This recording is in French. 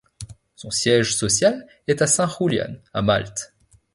Son siège social est à St Julian, à Malte.